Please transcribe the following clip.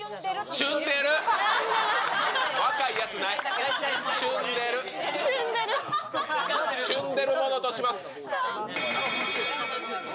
しゅんでるものとします。